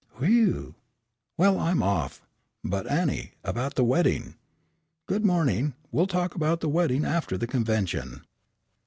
"Whew!" "Well, I'm off." "But Annie, about the wedding?" "Good morning, we'll talk about the wedding after the convention."